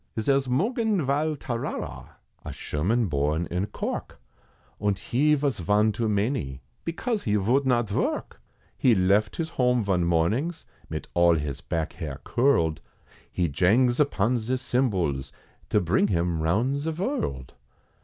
Zare's Mungen Val Tarara, A Sherman born in Cork, Und he vos von too many, Because he vould not vork, He left his home von mornings, Mit all his back hair curled, He jangs upon ze cymbals, To bring him round ze vorld.